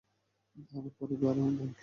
আমরা পরিবার, ড্যানি।